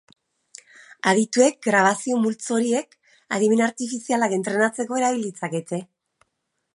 Adituek grabazio multzo horiek adimen artifizialak entrenatzeko erabil ditzakete.